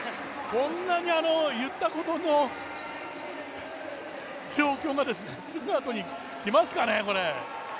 こんなに言ったことの状況がすぐあとにきますかね、これ。